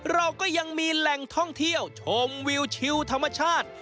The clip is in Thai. เราก็ยังมีแหล่งท่องเที่ยวชมวิวชิวธรรมชาติ